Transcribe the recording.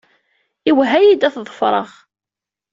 Iwehha-iyi-d ad t-ḍefreɣ.